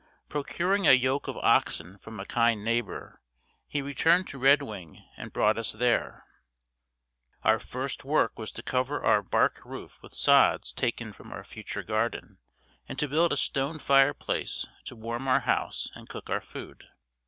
Procuring a yoke of oxen from a kind neighbor, he returned to Red Wing and brought us there. Our first work was to cover our bark roof with sods taken from our future garden, and to build a stone fireplace to warm our house and cook our food.